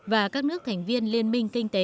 và các nước thành viên liên minh kinh tế